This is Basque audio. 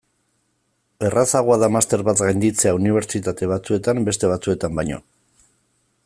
Errazagoa da master bat gainditzea unibertsitate batzuetan beste batzuetan baino.